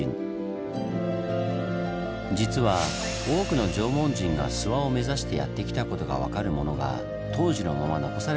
実は多くの縄文人が諏訪を目指してやって来たことが分かるものが当時のまま残されている場所があるんです。